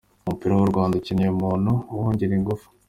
Umupira w’u Rwanda ukeneye umuntu uwongerera ingufu.